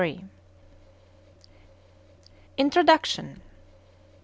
PAGE INTRODUCTION